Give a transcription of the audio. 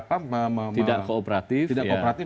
kalau statusnya saksi tapi kemudian tidak kooperatif